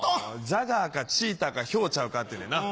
ジャガーかチーターかヒョウちゃうかって言うねんな。